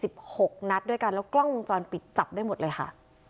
หกนัดด้วยกันแล้วกล้องวงจรปิดจับได้หมดเลยค่ะ